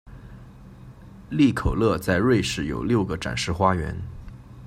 利口乐在瑞士有六个展示花园。